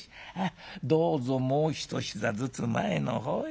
どうぞもう一膝ずつ前の方へ。